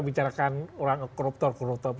bicarakan orang koruptor koruptor